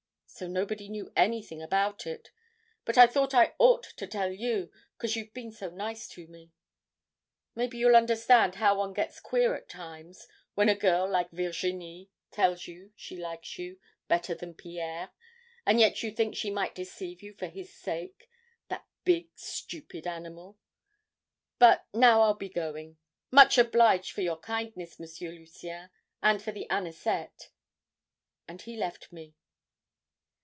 So nobody knew anything about it. But I thought I ought to tell you, 'cause you've been so nice to me. Maybe you'll understand how one gets queer at times, when a girl like Virginie tells you she likes you better than Pierre, and yet you think she might deceive you for his sake that big, stupid animal But now I'll be going. Much obliged for your kindness, M. Lucien, and for the anisette ' And he left me.